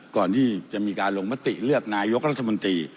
ก่อนที่จะมีการลงมติเลือกนายกรัฐมนตรี